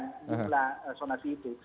jumlah sonasi itu